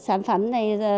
sản phẩm này